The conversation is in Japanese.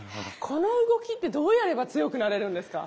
この動きってどうやれば強くなれるんですか？